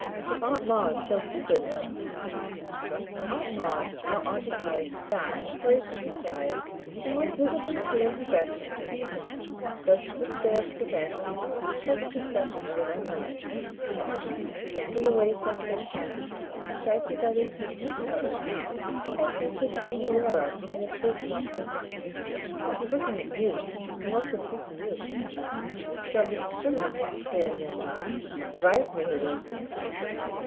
If Aunt Maud's so thick with him !" Aunt Maud now occupied in fact a place at his side and was visibly doing her best to entertain him, though this failed to prevent such a direction of his own eyes determined, in the way such things happen, precisely by the attention of the others as Densher became aware of and as Kate promptly marked. "He's looking at YOU. He wants to speak to you." "So Mrs. Stringham," the young man laughed, "advised me he would."